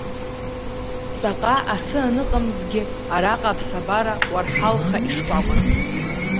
Ҵаҟа асы аныҟамзгьы, араҟа аԥсабара уарҳалха ишкәакәан.